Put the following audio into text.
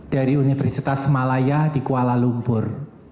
dari universitas malaya di kuala lumpur